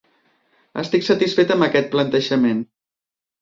Estic satisfet amb aquest plantejament.